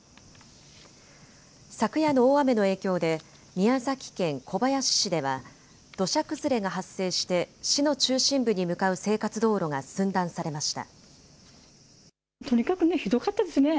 昨夜の大雨の影響で宮崎県小林市では土砂崩れが発生して市の中心部に向かう生活道路が寸断されました。